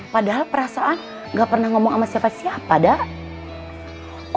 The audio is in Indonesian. padahal perasaan gak pernah ngomong sama siapa siapa dak